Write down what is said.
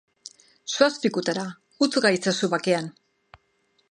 Zoaz pikutara! Utz gaitzazu bakean!